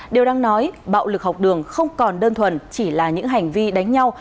điều đang nói bạo lực học đường không còn đơn thuần chỉ là những hành vi đánh nhau